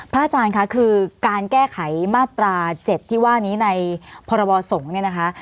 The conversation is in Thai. อาจารย์ค่ะคือการแก้ไขมาตรา๗ที่ว่านี้ในพรบสงฆ์เนี่ยนะคะ